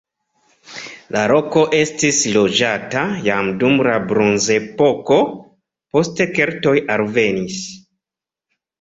La loko estis loĝata jam dum la bronzepoko, poste keltoj alvenis.